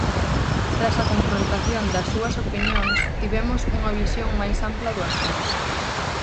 Tras a confrontación das súas opinións tivemos unha visión máis ampla do asunto.